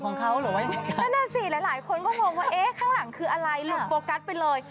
นั่นแน่สิหลายคนก็หงวงว่าเอ๊ะข้างหลังคืออะไรลุบโฟกัสไปเลย